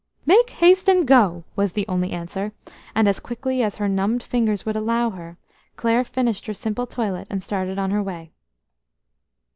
"Make haste and go," was the only answer, and as quickly as her numbed fingers would allow her, Clare finished her simple toilet and started on her way.